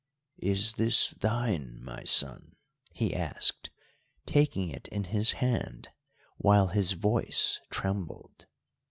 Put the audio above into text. "Is this thine, my son?" he asked, taking it in his hand, while his voice trembled.